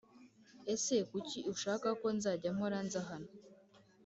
Ese kuki ushaka ko nzajya mpora nza hano